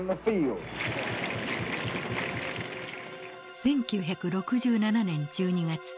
１９６７年１２月。